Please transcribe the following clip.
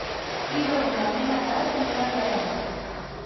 Dijous en Damià i na Queralt aniran a Viladamat.